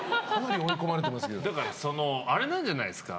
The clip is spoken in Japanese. だからあれなんじゃないですか